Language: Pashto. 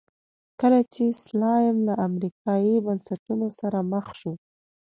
کله چې سلایم له امریکایي بنسټونو سره مخ شو.